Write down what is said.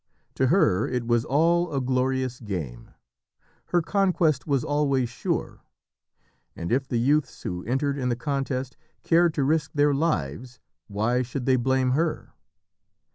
To her it was all a glorious game. Her conquest was always sure, and if the youths who entered in the contest cared to risk their lives, why should they blame her?